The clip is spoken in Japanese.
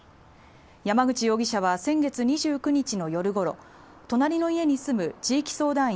山口容疑者は先月２９日の夜ごろ隣の家に住む地域相談員